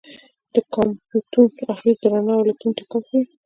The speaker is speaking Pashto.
د کامپټون اغېز د رڼا او الکترون ټکر ښيي.